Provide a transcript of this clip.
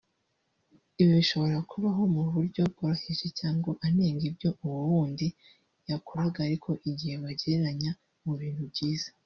Ibi bishobora kubaho mu buryo bworoheje cyangwa anenga ibyo uwo wundi yakoraga ariko igihe abagereranya mu bintu byiza